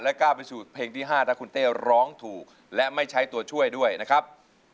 ก้าวไปสู่เพลงที่๕ถ้าคุณเต้ร้องถูกและไม่ใช้ตัวช่วยด้วยนะครับ